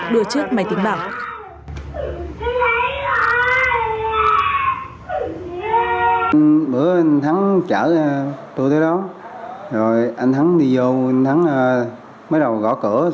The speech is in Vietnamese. đưa trước máy tính bảng